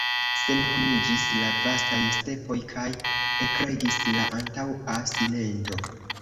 Senhomiĝis la vastaj stepoj, kaj ekregis la antaŭa silento.